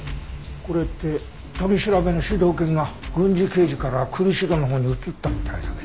これって取り調べの主導権が郡司刑事から栗城のほうに移ったみたいだけど。